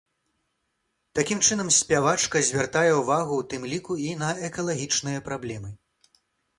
Такім чынам спявачка звяртае ўвагу ў тым ліку і на экалагічныя праблемы.